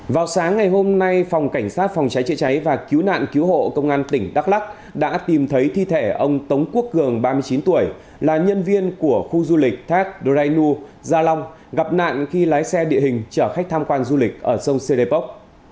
vào sáng ngày hôm nay phòng cảnh sát phòng trái trị cháy và cứu nạn cứu hộ công an tỉnh đắk lắc đã tìm thấy thi thể ông tống quốc cường ba mươi chín tuổi là nhân viên của khu du lịch thác đô đài nưu gia long gặp nạn khi lái xe địa hình chở khách tham quan du lịch ở sông sê đê pốc